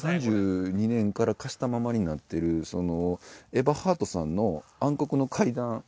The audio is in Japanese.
３２年から貸したままになってるエバハートさんの「暗黒の階段」